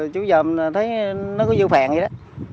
chú giờ thấy nó có vô phèn vậy đó